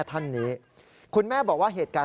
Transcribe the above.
สวัสดีครับทุกคน